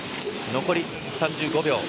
残り３５秒。